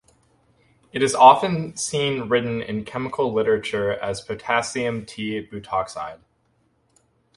It is often seen written in chemical literature as potassium "t"-butoxide.